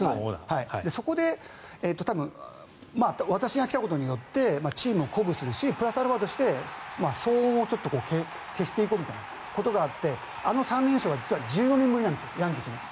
そこで私が来たことでチームを鼓舞するしプラスアルファとして騒音を消していこうみたいなことがあってあの３連勝が実は１４年ぶりなんですよ。